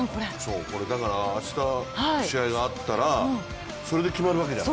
だから明日試合があったらそれで決まるわけじゃない。